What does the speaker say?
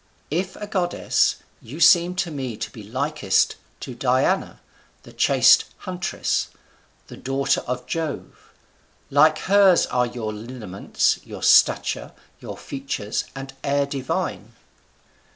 If a goddess, you seem to me to be likest to Diana, the chaste huntress, the daughter of Jove. Like hers are your lineaments, your stature, your features, and air divine."